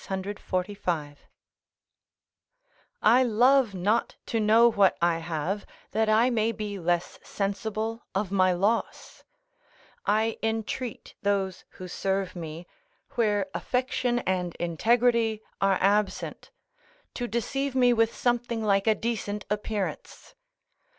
645] I love not to know what I have, that I may be less sensible of my loss; I entreat those who serve me, where affection and integrity are absent, to deceive me with something like a decent appearance.